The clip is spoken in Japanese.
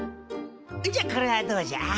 じゃあこれはどうじゃ？